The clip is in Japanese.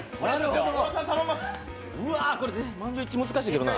うわー、満場一致難しいけどな。